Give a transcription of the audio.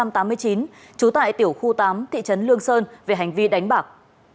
trú tại tiểu khu tám thị trấn lương sơn về hành vi đánh bạc